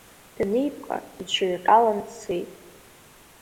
Данипҟа, иҽирҟьалан дцет.